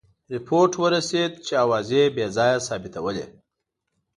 رپوټ ورسېد چې آوازې بې ځایه ثابتولې.